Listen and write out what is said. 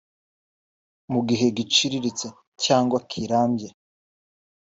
mu gihe giciriritse cyangwa kirambye